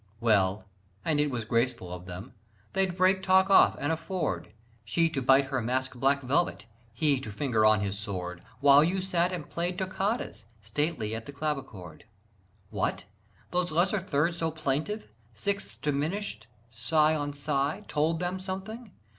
Well (and it was graceful of them) they'd break talk off and afford She to bite her mask's black velvet, he to finger on his sword, While you sat and played Toccatas, stately at the clavichord? What? Those lesser thirds so plaintive, sixths diminished, sigh on sigh, Told them something?